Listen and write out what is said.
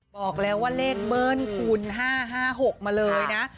บอกแล้วว่าเลขเบิ้ลคูณ๕๕๖มาเลยนะ